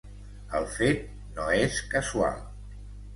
El fet no és casual.